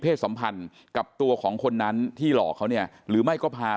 สัมพันธ์กับตัวของคนนั้นที่หลอกเขาเนี่ยหรือไม่ก็พา